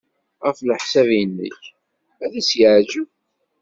Ɣef leḥsab-nnek, ad as-yeɛjeb?